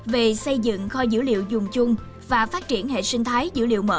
về xây dựng kho dữ liệu dùng chung và phát triển hệ sinh thái dữ liệu mở